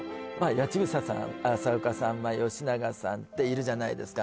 八千草さん浅丘さん吉永さんっているじゃないですか